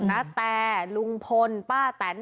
ณแต่ลุงพลป้าแต๋น